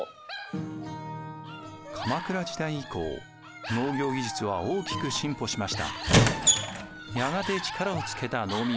鎌倉時代以降農業技術は大きく進歩しました。